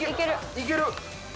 いける！